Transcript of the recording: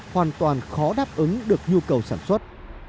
hoàn toàn khó đáp ứng được nhu cầu sản xuất